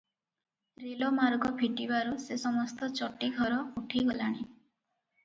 ରେଲମାର୍ଗ ଫିଟିବାରୁ ସେ ସମସ୍ତ ଚଟି ଘର ଉଠିଗଲାଣି ।